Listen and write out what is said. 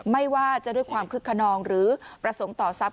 ไม่ว่าจะด้วยความคึกขนองหรือประสงค์ต่อทรัพย